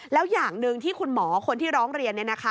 แล้วอย่างหนึ่งที่คุณหมอคนที่ร้องเรียน